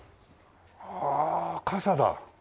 ああ傘だ。